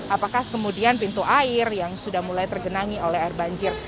apakah kemudian pintu air yang sudah mulai tergenangi oleh air banjir